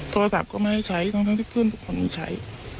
โทรศัพท์ก็ไม่ให้ใช้ทั้งที่เพื่อนทุกคนมีใช้